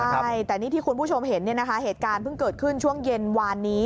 ใช่แต่นี่ที่คุณผู้ชมเห็นเนี่ยนะคะเหตุการณ์เพิ่งเกิดขึ้นช่วงเย็นวานนี้